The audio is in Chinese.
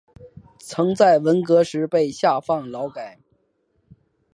曾在文革时被下放劳改。